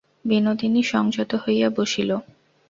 বিনোদিনী সংযত হইয়া বসিল।